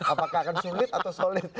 apakah akan sulit atau solid